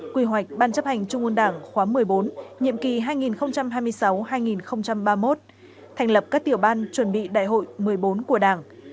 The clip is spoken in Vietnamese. quy hoạch ban chấp hành trung ương đảng khóa một mươi bốn nhiệm kỳ hai nghìn hai mươi sáu hai nghìn ba mươi một thành lập các tiểu ban chuẩn bị đại hội một mươi bốn của đảng